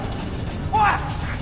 おい！